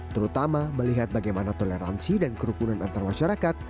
terutama melihat bagaimana toleransi dan kerukunan antar masyarakat